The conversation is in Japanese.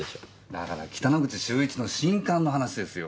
だから北之口秀一の新刊の話ですよ。